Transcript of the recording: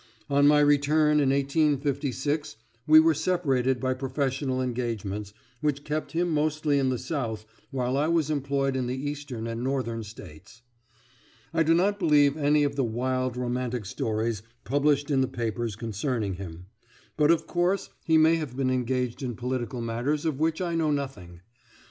On my return in 1856 we were separated by professional engagements, which kept him mostly in the South while I was employed in the Eastern and Northern states. I do not believe any of the wild, romantic stories published in the papers concerning him; but of course he may have been engaged in political matters of which I know nothing.